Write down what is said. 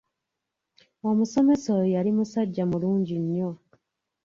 Omusomesa oyo yali musajja mulungi nnyo.